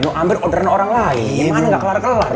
mau ambil orderan orang lain gimana nggak kelar kelar